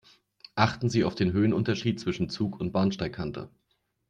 Achten Sie auf den Höhenunterschied zwischen Zug und Bahnsteigkante.